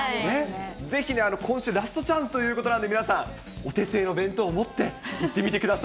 ぜひね、今週、ラストチャンスということなんで、皆さん、お手製の弁当を持って、行ってみてください。